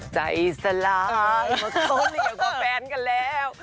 ใจสลายโทษเหลือกว่าแฟนกันแล้ว